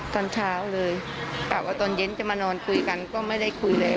ตอนเช้าเลยกะว่าตอนเย็นจะมานอนคุยกันก็ไม่ได้คุยเลย